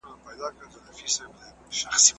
زه به سبا غاښونه په سمه توګه برس کړم.